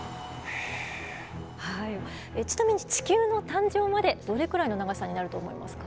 ちなみに地球の誕生までどれくらいの長さになると思いますか？